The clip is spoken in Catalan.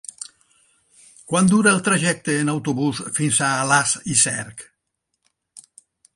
Quant dura el trajecte en autobús fins a Alàs i Cerc?